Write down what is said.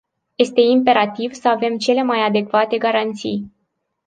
Este imperativ să avem cele mai adecvate garanții.